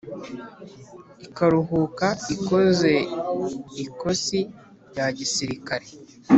ikaruhuka ikoze ikosi rya gisirikare,